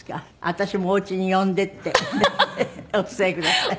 私もお家に呼んでってお伝えください。